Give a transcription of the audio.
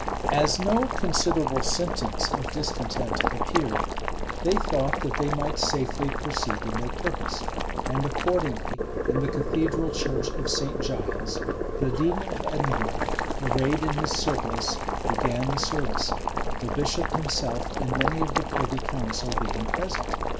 As no considerable symptoms of discontent appeared, they thought that they might safely proceed in their purpose; and accordingly, in the cathedral church of St. Giles, the dean of Edinburgh, arrayed in his surplice, began the service; the bishop himself and many of the privy council being present.